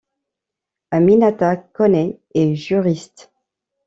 Aminata Koné est juriste.